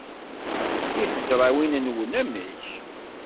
I tezrawin-nwen, amek?